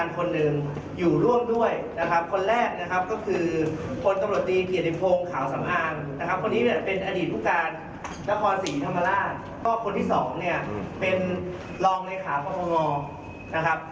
เพราะว่าคนที่สองเนี่ยเป็นรองในขาประงองนะครับ